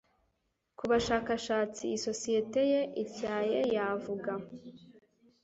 ku bushakashatsi isosiyete ye ityaye Yavuga